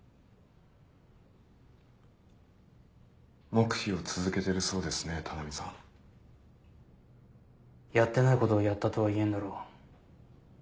黙秘を続けているそうですね田波さん。やってないことを「やった」とは言えんだろ。